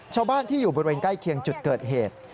ชาวบ้านที่อยู่บริเวณใกล้เคียงจุดเกิดเหตุ